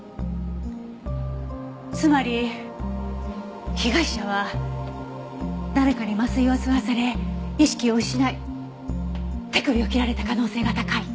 つまり被害者は誰かに麻酔を吸わされ意識を失い手首を切られた可能性が高い。